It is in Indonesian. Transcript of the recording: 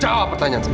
jawab pertanyaan saya